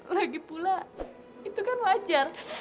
lagipula itu kan wajar